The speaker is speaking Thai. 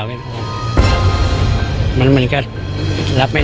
วันนี้แม่ช่วยเงินมากกว่า